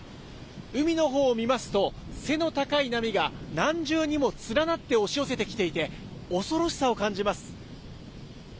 海のほうを見ますと、背の高い波が何重にも連なって押し寄せてきていて、恐ろしさを感